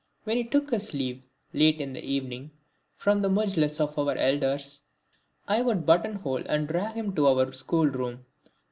When he took his leave, late in the evening, from the mujlis of our elders, I would buttonhole and drag him to our school room.